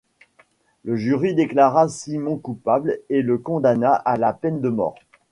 Le jury déclara Simmons coupable et le condamna à la peine de mort.